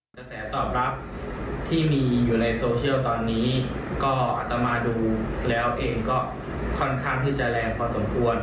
กระแสตอบรับที่มีอยู่ในโซเชียลตอนนี้ก็อัตมาดูแล้วเองก็ค่อนข้างที่จะแรงพอสมควร